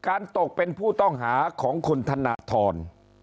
การตกเป็นผู้ต้องหาของคุณทานานทร